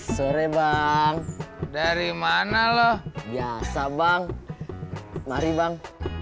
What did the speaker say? sore bang dari mana loh biasa bang mari bang